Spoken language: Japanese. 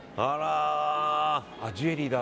ジュエリーだ。